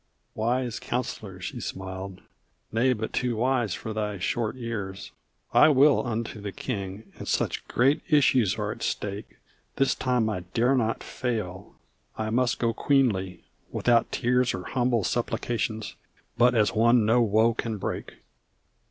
"Wise counsellor!" she smiled; "Nay, but too wise for thy short years, I will unto the king; and such great issues are at stake This time I dare not fail. I must go queenly without tears Or humble supplications but as one no woe can break.